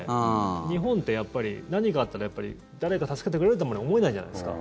日本って何かあったら誰か助けてくれるとまで思えないじゃないですか。